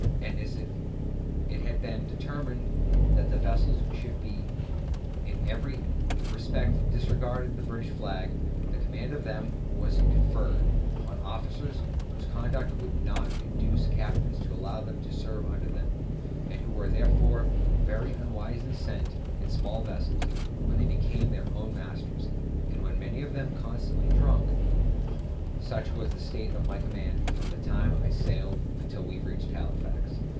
And as if it had been determined that these vessels should in every respect disgrace the British flag, the command of them was conferred on officers whose conduct would not induce captains to allow them to serve under them, and who were therefore very unwisely sent into small vessels, where they became their own masters, and were many of them constantly drunk; such was the state of my commander from the time I sailed until we reached Halifax.